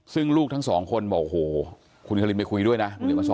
ซึ่งลูกทั้งสองคนบอกโหคุณคลินไปคุยด้วยนะ